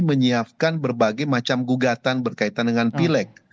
menyiapkan berbagai macam gugatan berkaitan dengan pileg